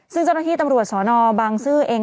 ซึ่งเจ้าหน้าที่ตำรวจสนบางซื่อเอง